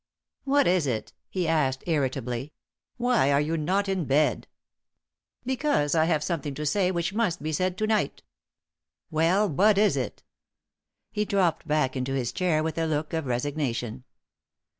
"What is it?" he asked, irritably. "Why are you not in bed?" "Because I have something to say which must be said to night." "Well, what is is?" He dropped back into his chair with a look of resignation.